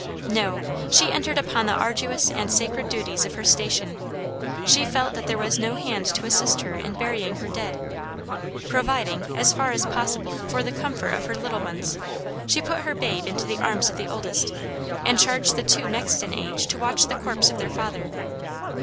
No! she entered upon the arduous and sacred duties of her station. She felt that there was no hand to assist her in burying her dead. Providing, as far as possible, for the comfort of her little ones, she put her babe into the arms of the oldest, and charged the two next in age to watch the corpse of their father.